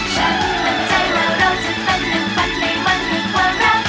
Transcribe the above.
ฉันมั่นใจว่าเราจะฝันหนึ่งฝันในวันเหมือนกว่ารัก